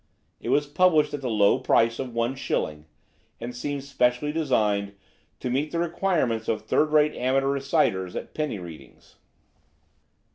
It was published at the low price of one shilling, and seemed specially designed to meet the requirements of third rate amateur reciters at penny readings.